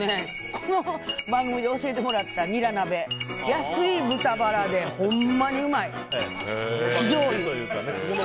この番組で教えてもらったニラ鍋安い豚バラでほんまにうまい。